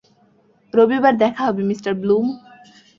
রবিবার দেখা হবে, মিঃ ব্লুম।